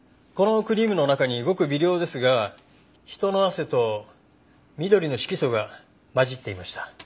このクリームの中にごく微量ですが人の汗と緑の色素が混じっていました。